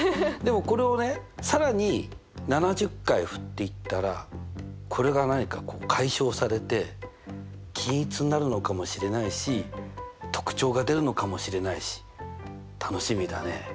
でもこれをね更に７０回振っていったらこれが何か解消されて均一になるのかもしれないし特徴が出るのかもしれないし楽しみだね。